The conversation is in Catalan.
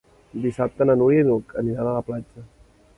Dissabte na Núria i n'Hug aniran a la platja.